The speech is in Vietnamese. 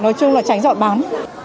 nói chung là tránh giọt bắn